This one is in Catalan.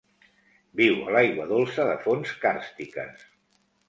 Viu a l'aigua dolça de fonts càrstiques.